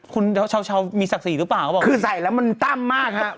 คุณเฉามีศักดิ์ศรีรึเปล่าครับผมก็บอกว่าคือใส่แล้วมันตั้มมากฮะ